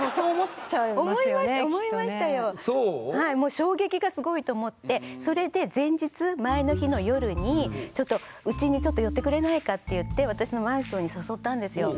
はいもう衝撃がすごいと思ってそれで前日前の日の夜にちょっとうちにちょっと寄ってくれないかって言って私のマンションに誘ったんですよ。